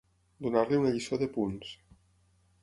Donar-li una lliçó de punts.